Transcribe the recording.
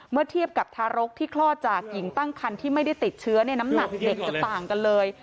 เมื่อเทียบกับทารกที่คลอดจากหญิงตั้งคันที่ไม่ได้ติดเชื้อน้ำหนักเด็กจะต่างกันเลย